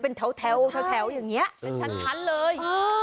เป็นแถวอย่างนี้เป็นชั้นเลย